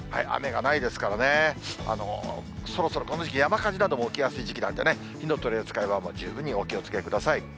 雨がないですからね、そろそろこの時期、山火事なども起きやすい時期なんでね、火の取り扱いは十分にお気をつけください。